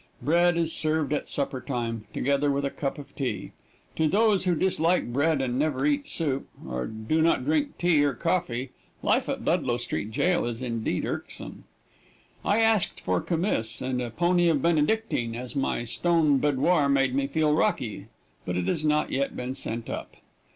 Bread is served at supper time, together with a cup of tea. To those who dislike bread and never eat soup, or do not drink tea or coffee, life at Ludlow Street Jail is indeed irksome. I asked for kumiss and a pony of Benedictine, as my stone boudoir made me feel rocky, but it has not yet been sent up.